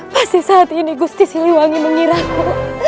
pasti saat ini gusti siliwangi mengiraku